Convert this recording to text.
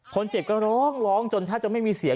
ก็ได้พลังเท่าไหร่ครับ